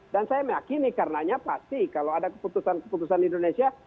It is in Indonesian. dan saya meyakini karenanya pasti kalau ada keputusan keputusan di indonesia